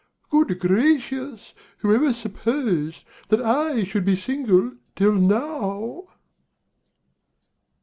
Good gracious! who ever supposed That I should be single till now?